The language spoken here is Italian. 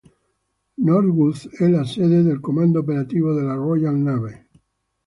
Northwood è la sede del comando operativo della Royal Navy.